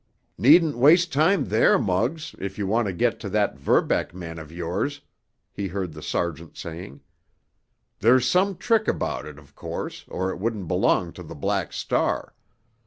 "Needn't waste time there, Muggs, if you want to get to that Verbeck man of yours," he heard the sergeant saying. "There's some trick about it, of course, or it wouldn't belong to the Black Star.